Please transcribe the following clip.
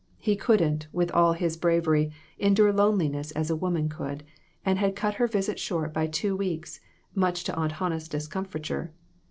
He couldn't, with all his bravery, endure loneliness as a woman could, and had cut her visit short by two weeks, much to Aunt Hannah's discomfiture.